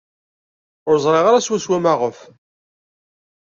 Ur ẓriɣ ara swaswa maɣef.